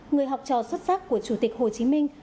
người học trò xuất sắc của chủ tịch hồ chí minh